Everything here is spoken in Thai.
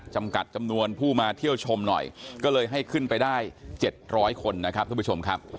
จำกัดจำนวนผู้มาเที่ยวชมหน่อยก็เลยให้ขึ้นไปได้๗๐๐คนนะครับทุกผู้ชมครับ